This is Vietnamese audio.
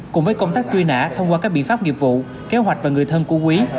cùng với công tác truy nã thông qua các biện pháp nghiệp vụ kế hoạch và người thân của quý